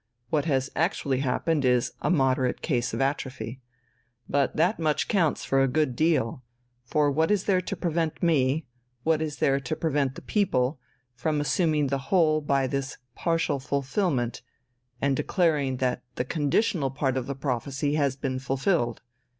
What has actually happened is a moderate case of atrophy. But that much counts for a good deal, for what is there to prevent me, what is there to prevent the people, from assuming the whole by this partial fulfilment, and declaring that the conditional part of the prophecy has been fulfilled?